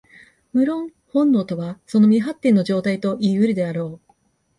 無論、本能とはその未発展の状態といい得るであろう。